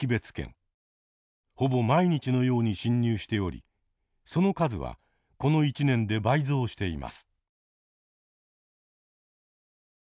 ほぼ毎日のように進入しておりその数はこの一年で倍増しています。